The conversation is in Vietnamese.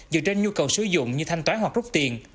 dựa trên nhu cầu sử dụng như thanh toán hoặc rút tiền